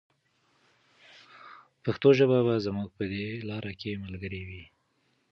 پښتو ژبه به زموږ په دې لاره کې ملګرې وي.